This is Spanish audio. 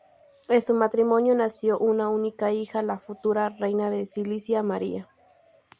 De su matrimonio nació una única hija, la futura reina de Sicilia, María.